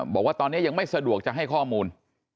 บอกว่าตอนนี้ยังไม่สะดวกจะให้ข้อมูล